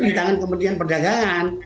di tangan kemudian perdagangan